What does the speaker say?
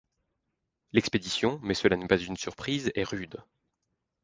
L’expédition, mais cela n’est pas une surprise, est rude.